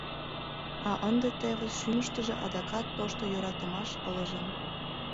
А ынде, тевыс, шӱмыштыжӧ адакат тошто йӧратымаш ылыжын.